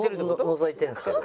のぞいてるんですけど。